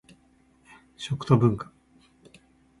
食と文化